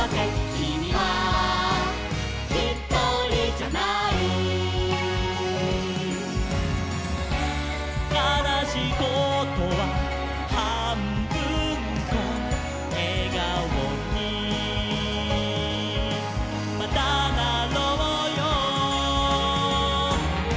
「きみはひとりじゃない」「かなしいことははんぶんこ」「笑顔にまたなろうよ」